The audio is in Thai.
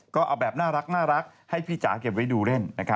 ก็เอาแบบน่ารักให้พี่จ๋าเก็บไว้ดูเล่นนะครับ